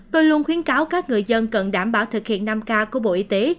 tôi luôn khuyến cáo các người dân cần đảm bảo thực hiện năm k của bộ y tế